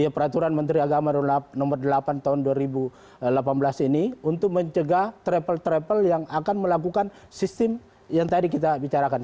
peraturan menteri agama nomor delapan tahun dua ribu delapan belas ini untuk mencegah travel travel yang akan melakukan sistem yang tadi kita bicarakan